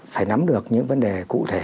phải nắm được những vấn đề cụ thể